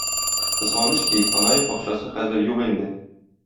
Кызганыч ки, Панаев бакчасы хәзер юк инде.